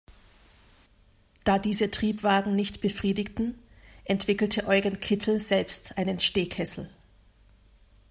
Da diese Triebwagen nicht befriedigten, entwickelte Eugen Kittel selbst einen Stehkessel.